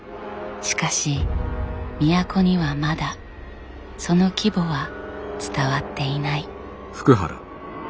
しかし都にはまだその規模は伝わっていない。